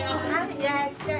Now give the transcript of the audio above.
いらっしゃい。